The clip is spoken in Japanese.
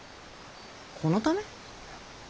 このため？